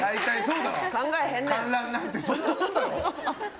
観覧なんてそんなもんだろ。